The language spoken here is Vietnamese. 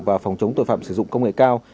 và phòng chống tội phạm sử dụng công nghệ cao